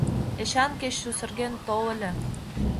Эчан, кеч сусырген тол ыле.